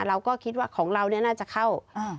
เราก็คิดว่าของเราเนี่ยน่าจะเข้า